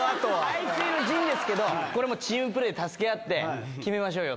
背水の陣ですけどチームプレー助け合って決めましょうよと。